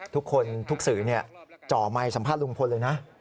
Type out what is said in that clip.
ทุกคนทุกสื่อจ่อไมค์สัมภาษณ์ลุงพลเลยนะ